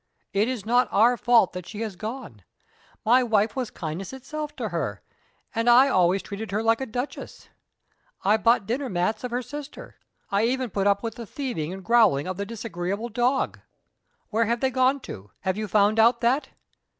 It is not our fault that she has gone. My wife was kindness itself to her, and I always treated her like a duchess. I bought dinner mats of her sister; I even put up with the thieving and growling of the disagreeable dog " "Where have they gone to? Have you found out that?"